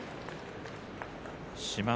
志摩ノ